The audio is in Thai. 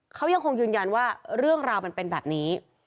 เขายังคงยืนยันว่าเรื่องราวมันเป็นแบบนี้